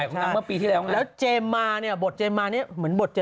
นั่งบกนางเหนื่อยมากนั่งมาบฏอยู่